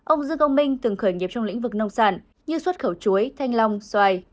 ông dương công minh từng khởi nghiệp trong lĩnh vực nông sản như xuất khẩu chuối thanh long xoài